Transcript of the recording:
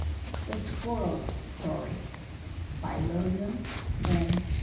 THE SQUIRREL'S STORY By Lillian M.